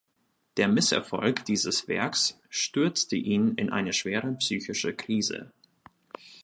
Der Misserfolg dieses Werks stürzte ihn in eine schwere psychische Krise.